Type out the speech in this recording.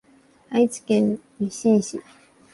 愛知県日進市